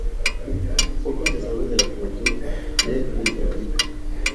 Poco se sabe de la juventud de Ulrico.